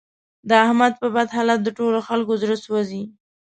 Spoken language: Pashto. د احمد په بد حالت د ټول خکلو زړه سوځي.